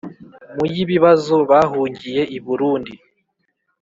mu yibibazo yahungiye i Burundi